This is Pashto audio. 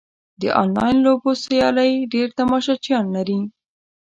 د انلاین لوبو سیالۍ ډېر تماشچیان لري.